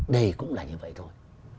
để cũng là như vậy thôi